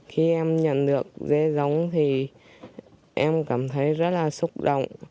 khi em nhận được dê giống thì em cảm thấy rất là xúc động